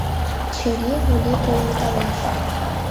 Чыли-вули койылдалеш -